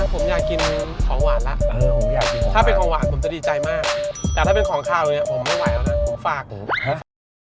ผมอยากกินของหวานละถ้าเป็นของหวานผมจะดีใจมากแต่ถ้าเป็นของขาวอยู่เนี่ยผมไม่ไหวแล้วนะฝากฮะ